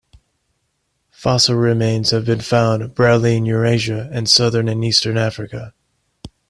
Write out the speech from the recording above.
Fossil remains have been found broadly in Eurasia and southern and eastern Africa.